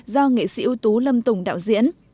do nghệ sĩ ưu tú lâm tùng đạo diễn